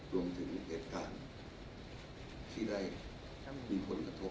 รวมถึงเหตุการณ์ที่ได้มีผลกระทบ